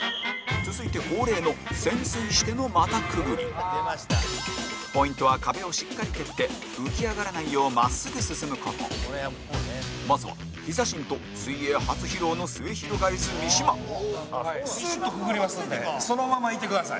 続いて、恒例の潜水しての股くぐりポイントは壁をしっかり蹴って浮き上がらないよう真っすぐ進む事まずは、ヒザ神と水泳初披露のすゑひろがりず三島三島：スーッとくぐりますんでそのままいてください。